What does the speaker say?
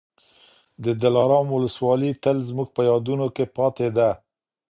د دلارام ولسوالي تل زموږ په یادونو کي پاتې ده.